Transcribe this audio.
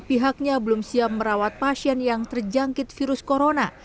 pihaknya belum siap merawat pasien yang terjangkit virus corona